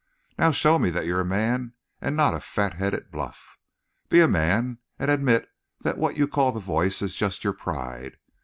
"Now, show me that you're a man and not a fatheaded bluff. Be a man and admit that what you call the Voice is just your pride.